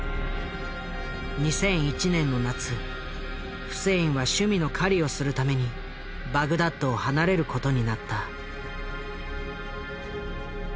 ２００１年の夏フセインは趣味の狩りをするためにバグダッドを離れる事になった。